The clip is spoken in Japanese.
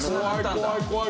怖い怖い。